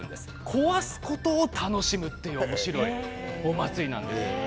壊すことを楽しむというおもしろいお祭りなんです。